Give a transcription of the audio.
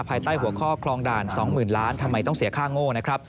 ภายใต้หัวข้อคลองด่าน๒๐๐๐ล้านทำไมต้องเสียค่าโง่นะครับ